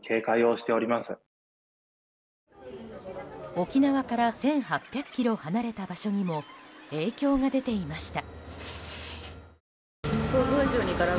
沖縄から、１８００ｋｍ離れた場所にも影響が出ていました。